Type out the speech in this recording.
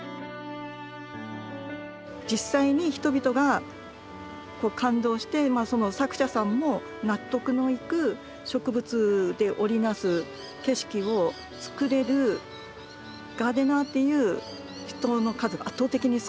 実際に人々が感動してその作者さんも納得のいく植物で織り成す景色をつくれるガーデナーっていう人の数が圧倒的に少ない。